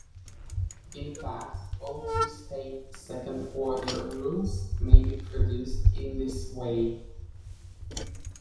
In fact, all two-state second-order rules may be produced in this way.